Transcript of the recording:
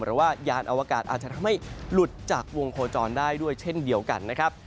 หรือว่ายานอวกาศอาจจะทำให้หลุดจากวงโคจรได้ด้วยเช่นเดียวกันนะครับ